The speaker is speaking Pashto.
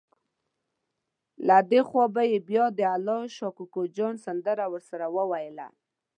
له دې خوا به یې بیا د الله شا کوکو جان سندره ورسره وویله.